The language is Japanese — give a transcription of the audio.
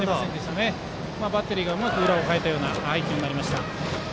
バッテリーがうまく裏をかいたような配球になりました。